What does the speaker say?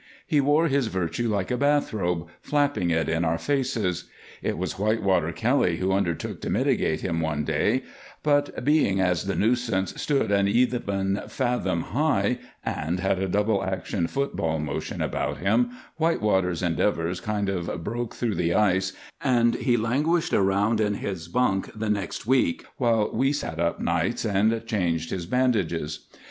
He wore his virtue like a bath robe, flapping it in our faces. It was Whitewater Kelly who undertook to mitigate him one day, but, being as the nuisance stood an even fathom high and had a double action football motion about him, Whitewater's endeavors kind of broke through the ice and he languished around in his bunk the next week while we sat up nights and changed his bandages.